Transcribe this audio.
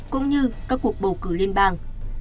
cũng như các cuộc bầu cử liên bang